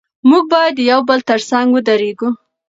موږ باید د یو بل تر څنګ ودرېږو.